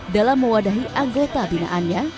dalam mewadahi anggota binaannya